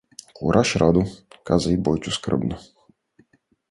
— Кураж, Радо — каза й Бойчо скръбно.